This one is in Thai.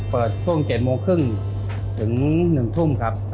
เปิดช่วง๗โมงครึ่งถึง๑ทุ่มครับ